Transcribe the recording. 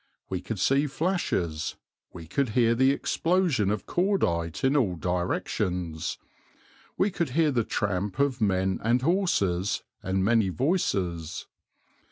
We could see flashes; we could hear the explosion of cordite in all directions; we could hear the tramp of men and horses, and many voices.